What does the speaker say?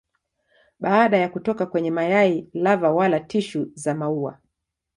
Baada ya kutoka kwenye mayai lava wala tishu za maua.